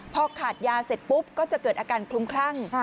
พอขาดยาเสร็จปุ๊บก็จะเกิดอาการคลุ้มคลั่ง